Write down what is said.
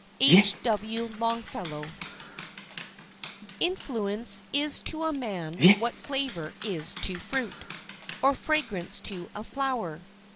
—H. W. LONGFELLOW. Influence is to a man what flavor is to fruit, or fragrance to the flower.